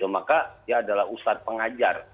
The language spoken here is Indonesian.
maka dia adalah ustadz pengajar